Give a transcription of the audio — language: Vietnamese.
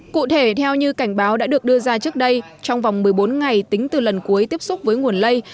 cụ thể theo như cảnh báo đã được đưa ra trước đây trong vòng một mươi bốn ngày tính từ lần cuối tiếp xúc với nguồn lây